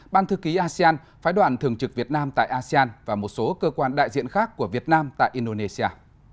ban thư ký asean phái đoàn thường trực việt nam tại asean và một số cơ quan đại diện khác của việt nam tại indonesia